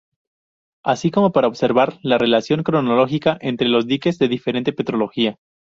Así como para observar la relación cronológica entre los diques de diferente petrología.